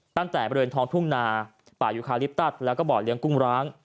ตั้งแต่บริเวณท้องทุ่งนาป่ายุคาลิปตัสแล้วก็บ่อเลี้ยงกุ้งร้าง